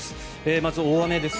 まず、大雨です。